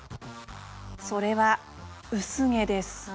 それは薄毛です。